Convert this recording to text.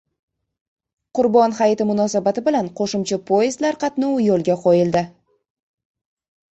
Qurbon hayiti munosabati bilan qo‘shimcha poezdlar qatnovi yo‘lga qo‘yildi